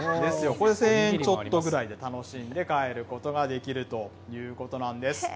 これで１０００円ちょっとぐらいで楽しんで帰ることができるということなんです。